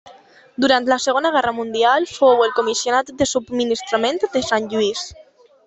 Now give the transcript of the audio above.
Durant la Segona Guerra Mundial fou el comissionat de subministrament de Sant Lluís.